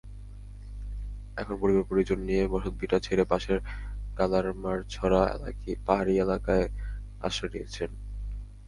এখন পরিবার পরিজন নিয়ে বসতভিটা ছেড়ে পাশের কালারমারছড়া পাহাড়ি এলাকায় আশ্রয় নিয়েছেন।